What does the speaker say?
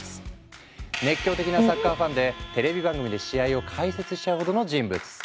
熱狂的なサッカーファンでテレビ番組で試合を解説しちゃうほどの人物。